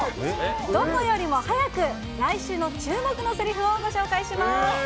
どこよりも早く、来週の注目のせりふをご紹介します。